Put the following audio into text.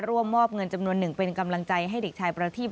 มอบเงินจำนวนหนึ่งเป็นกำลังใจให้เด็กชายประทีพ